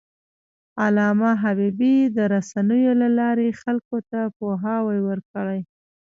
علامه حبيبي د رسنیو له لارې خلکو ته پوهاوی ورکړی.